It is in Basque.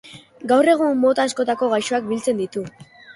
Gaur egun mota askotako gaixoak biltzen ditu.